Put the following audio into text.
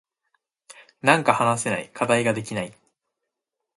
なんか話せない。課題ができない。